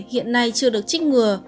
hiện nay chưa được trích ngừa